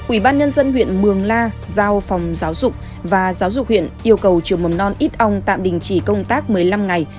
ubnd huyện mường la giao phòng giáo dục và giáo dục huyện yêu cầu trường mầm non ít ông tạm đình chỉ công tác một mươi năm ngày